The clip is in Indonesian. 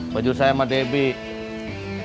baju saya sama debbie